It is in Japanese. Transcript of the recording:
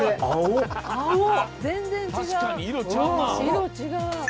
「全然違う」